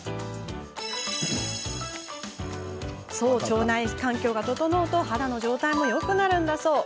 腸内環境が整うと肌の状態もよくなるんだそう。